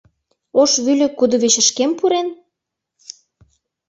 Ош вӱльӧ кудывечышкем пурен?